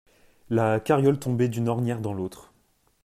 La carriole tombait d'une ornière dans l'autre.